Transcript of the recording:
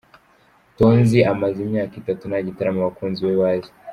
Tonzi amaze imyaka itatu nta gitaramo abakunzi be bazi.